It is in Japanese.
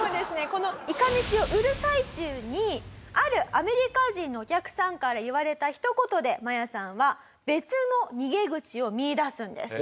このいかめしを売る最中にあるアメリカ人のお客さんから言われた一言でマヤさんは別の逃げ口を見いだすんです。